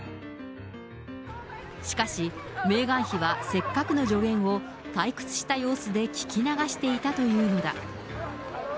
しかし、メーガン妃はせっかくの助言を退屈した様子で聞き流していたというのだ。